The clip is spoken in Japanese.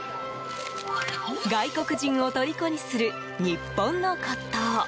外国人をとりこにする日本の骨董。